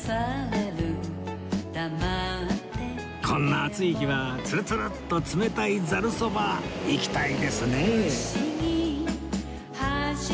こんな暑い日はツルツルっと冷たいざるそばいきたいですね！